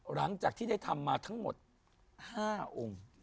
หลังจากที่ได้ทำมาทั้งหมด๕องค์